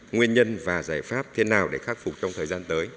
nguyên nhân và giải pháp thế nào để khắc phục trong thời gian tới